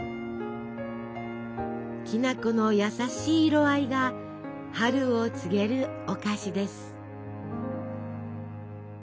きな粉の優しい色合いが春を告げるお菓子です。